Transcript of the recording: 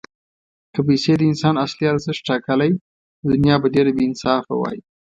که پیسې د انسان اصلي ارزښت ټاکلی، نو دنیا به ډېره بېانصافه وای.